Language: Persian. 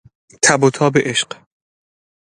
تب و تاب عشق